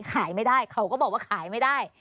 ขายไม่ได้เขาก็บอกว่าขายไม่ได้